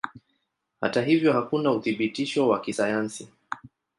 Hata hivyo hakuna uthibitisho wa kisayansi.